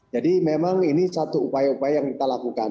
jadi memang ini satu upaya upaya yang kita lakukan